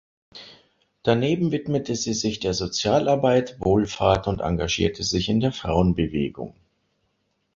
Daneben widmete sie sich der Sozialarbeit, Wohlfahrt und engagierte sich in der Frauenbewegung.